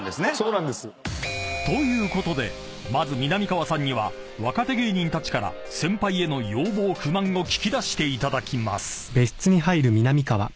［ということでまずみなみかわさんには若手芸人たちから先輩への要望不満を聞き出していただきます］